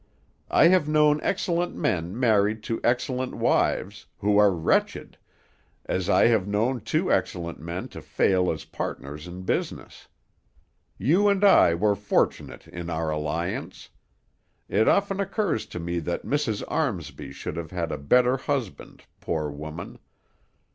I have known excellent men married to excellent wives, who are wretched, as I have known two excellent men to fail as partners in business. You and I were fortunate in our alliance. It often occurs to me that Mrs. Armsby should have had a better husband, poor woman.